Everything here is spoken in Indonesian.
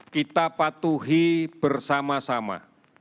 kita patuhi bersama sama